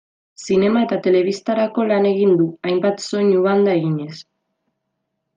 Zinema eta telebistarako lan egin du, hainbat soinu banda eginez.